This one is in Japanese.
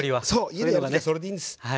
家でやる時それでいいんです。